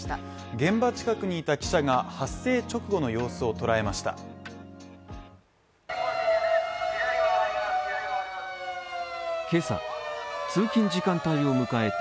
現場近くにいた記者が発生直後の様子を捉えました。